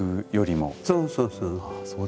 そうそうそう。